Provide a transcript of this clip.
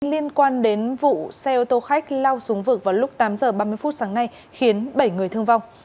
liên quan đến vụ xe ô tô khách lao xuống vực vào lúc tám h ba mươi phút sáng nay khiến bảy người thương vong